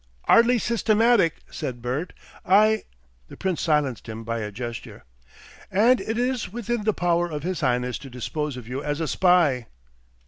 "'Ardly systematic," said Bert. "I " The Prince silenced him by a gesture. "And it is within the power of his Highness to dispose of you as a spy."